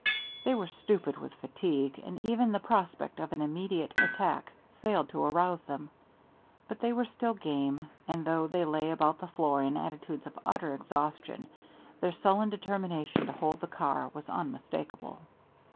They were stupid with fatigue, and even the prospect of an immediate attack failed to arouse them; but they were still game, and though they lay about the floor in attitudes of utter exhaustion their sullen determination to hold the car was unmistakable.